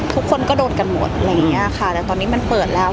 ทุกคนก็โดนกันหมดอะไรอย่างเงี้ยค่ะแต่ตอนนี้มันเปิดแล้ว